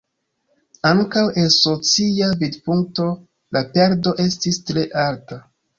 Ankaŭ el socia vidpunkto la perdo estis tre alta.